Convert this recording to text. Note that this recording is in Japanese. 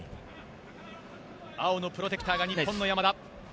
青のプロテクターが日本の山田。